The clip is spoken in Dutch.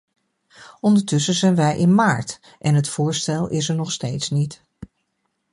Ondertussen zijn wij in maart, en het voorstel is er nog steeds niet.